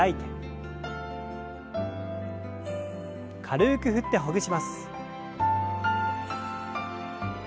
軽く振ってほぐします。